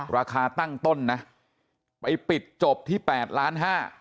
ราคาตั้งต้นนะไปปิดจบที่๘ล้านห้า